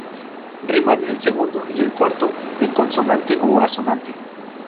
Riman el segundo y el cuarto en consonante o asonante.